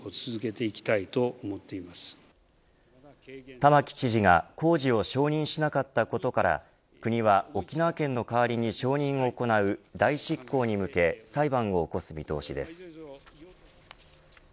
玉城知事が工事を承認しなかったことから国は沖縄県の代わりに承認を行う代執行に向け裁判を起こす見通しです。